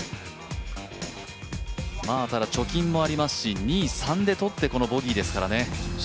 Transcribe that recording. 貯金もありますし、２、３でとってこのボギーですからね。